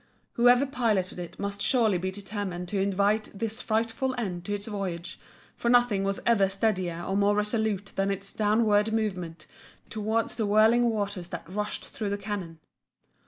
Whoever piloted it must surely be determined to invite this frightful end to its voyage, for nothing was ever steadier or more resolute than its downward movement towards the whirling waters that rushed through the canon.